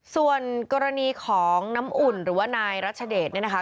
ส่วนกรณีของน้ำอุ่นหรือว่านายรัชเดชเนี่ยนะคะ